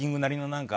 何か。